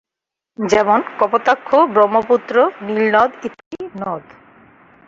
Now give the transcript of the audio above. যেমনঃ কপোতাক্ষ, ব্রহ্মপুত্র, নীল নদ ইত্যাদি নদ।